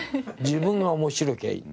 自分が面白きゃいい。